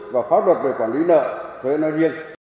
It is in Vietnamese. và pháp luật về quản lý nợ thuế nói riêng